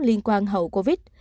liên quan hậu covid